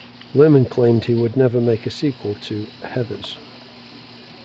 Lehmann claimed he would never make a sequel to "Heathers".